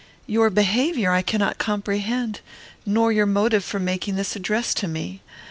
Your behaviour I cannot comprehend, nor your motive for making this address to me.